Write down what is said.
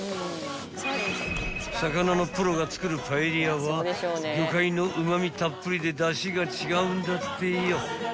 ［魚のプロが作るパエリアは魚介のうま味たっぷりでだしが違うんだってよ］